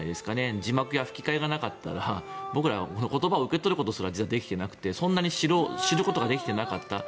字幕や吹替がなかったら僕らは言葉を受け取ることすら実はできていなくてそんなに知ることができていなかった。